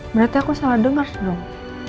berarti aku salah dengar dong